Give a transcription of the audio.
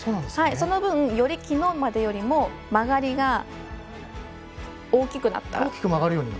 その分、より昨日までよりも曲がりが大きくなった。